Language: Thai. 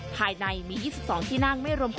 ภายในมี๒๒ที่นั่งไม่รวม